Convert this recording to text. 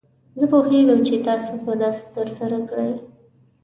زه پوهیږم چې تاسو به دا ترسره کړئ.